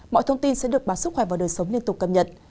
mọi thông tin sẽ được báo sức hoài vào đời sống liên tục cập nhật